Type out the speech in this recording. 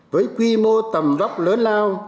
với quy mô tầm vóc lớn lao